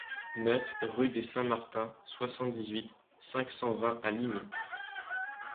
neuf rue des Saints Martin, soixante-dix-huit, cinq cent vingt à Limay